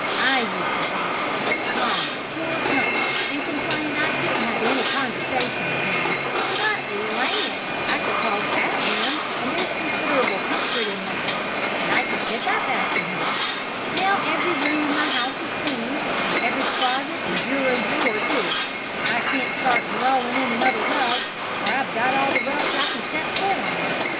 I used to think Tom was poor comp'ny and complain I couldn't have any conversation with him, but land, I could talk at him, and there's considerable comfort in that. And I could pick up after him! Now every room in my house is clean, and every closet and bureau drawer, too; I can't start drawin' in another rug, for I've got all the rugs I can step foot on.